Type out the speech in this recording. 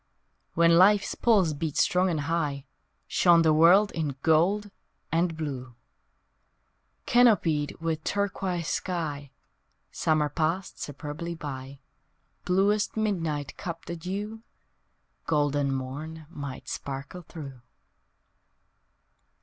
When Life's pulse beat strong and high Shone the world in gold and blue! Canopied with turquoise sky Summer passed superbly by, Bluest midnight cupped the dew Golden morn might sparkle through!